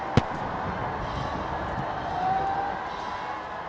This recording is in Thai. สวัสดีครับสวัสดีครับสวัสดีครับสวัสดีครับ